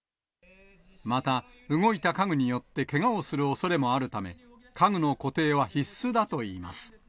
また、動いた家具によってけがをするおそれもあるため、家具の固定は必須だといいます。